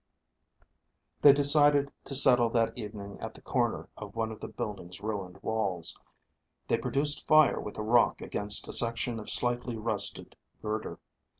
They decided to settle that evening at the corner of one of the building's ruined walls. They produced fire with a rock against a section of slightly rusted girder.